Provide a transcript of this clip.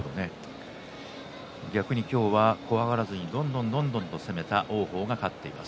怖がらずにどんどん攻めた王鵬が勝っています。